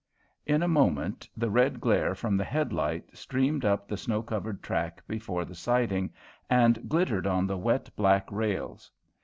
In a moment the red glare from the headlight streamed up the snow covered track before the siding and glittered on the wet, black rails.